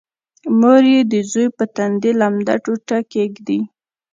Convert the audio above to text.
مور یې د زوی په تندي لمده ټوټه ږدي